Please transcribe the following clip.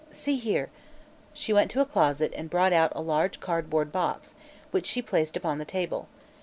See here!" she went to a closet and brought out a large card board box, which she placed upon the table.